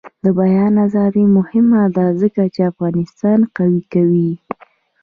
د بیان ازادي مهمه ده ځکه چې افغانستان قوي کوي.